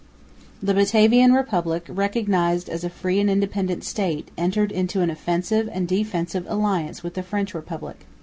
The Batavian Republic, recognised as a free and independent State, entered into an offensive and defensive alliance with the French Republic.